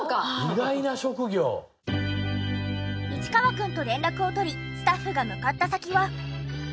市川くんと連絡を取りスタッフが向かった先は。